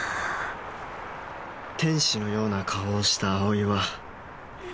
天使のような顔をした葵は